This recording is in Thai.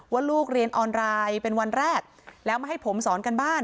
ว่าลูกเรียนออนไลน์เป็นวันแรกแล้วมาให้ผมสอนกันบ้าน